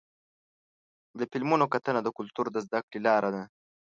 د فلمونو کتنه د کلتور د زدهکړې لاره ده.